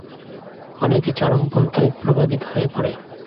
অনেকে চরমপন্থায় প্রভাবিত হয়ে পড়ে।